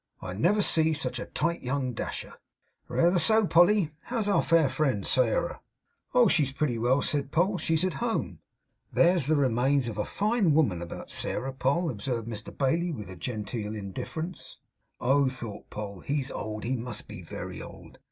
I never see such a tight young dasher.' 'Reether so, Polly. How's our fair friend, Sairah?' 'Oh, she's pretty well,' said Poll. 'She's at home.' 'There's the remains of a fine woman about Sairah, Poll,' observed Mr Bailey, with genteel indifference. 'Oh!' thought Poll, 'he's old. He must be very old!